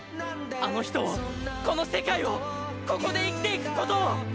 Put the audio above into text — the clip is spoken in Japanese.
あの人をこの世界をここで生きていく事を！